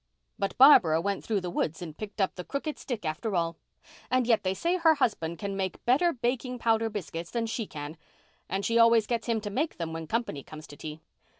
But Barbara went through the woods and picked up the crooked stick after all. And yet they say her husband can make better baking powder biscuits than she can, and she always gets him to make them when company comes to tea."